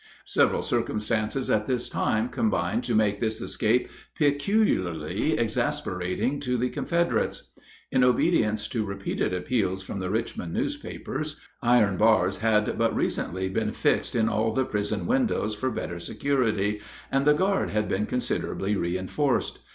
Several circumstances at this time combined to make this escape peculiarly exasperating to the Confederates. In obedience to repeated appeals from the Richmond newspapers, iron bars had but recently been fixed in all the prison windows for better security, and the guard had been considerably reinforced.